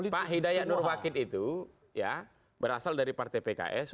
pak hidayat nurwakid itu ya berasal dari partai pks